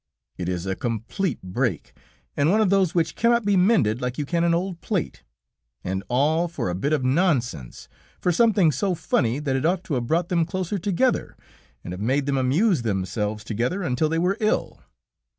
It is a complete break, and one of those which cannot be mended like you can an old plate! And all for a bit of nonsense, for something so funny that it ought to have brought them closer together and have made them amuse themselves together until they were ill.